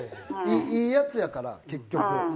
いいやつやから、結局。